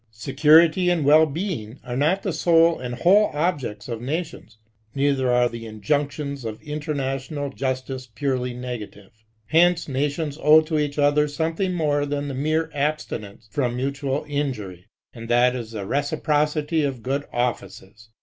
Security and well being are not the sole and whole objects of nations; neither are the injunctions of inter national justice purely negative. Hence nations owe to each something more than the mere abstinence from mutual injury , and that is the reciprocity of good offices.